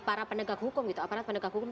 para pendegang hukum gitu aparat pendegang hukum